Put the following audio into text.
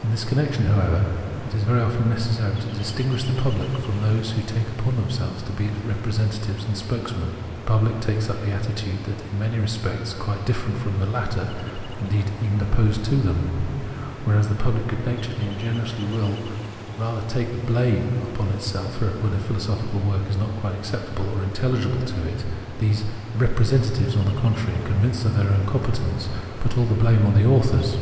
In this connection, however, it is very often necessary to distinguish the public from those who take upon themselves to be its representatives and spokesmen. The pubhc takes up an attitude in many respects quite difierent from the latter, indeed, even opposed to them. Whereas the pubhc good naturedly and generously will rather take the blame upon itself when a philosophical work is not quite acceptable or intelhgible to it, these " re presentatives," on the contrary, convinced of their own competence, put all the blame on the authors.